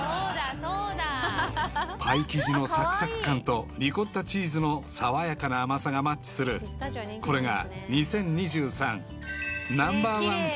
［パイ生地のサクサク感とリコッタチーズの爽やかな甘さがマッチするこれが］